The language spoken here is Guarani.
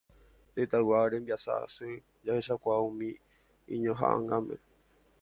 Tetãygua rembiasa asy jahechakuaa umi iñohaʼãngáme.